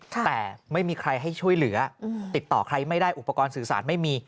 แต่ไม่มีใครให้ช่วยเหลือติดต่อใครไม่ได้อุปกรณ์สื่อสารไม่มี